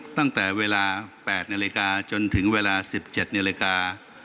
ตั้งแต่เวลา๘นาฬิกาจนถึงเวลา๑๗นาฬิกา